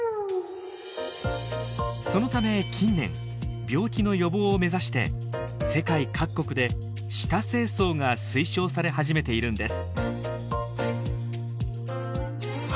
そのため近年病気の予防を目指して世界各国で舌清掃が推奨され始めているんです。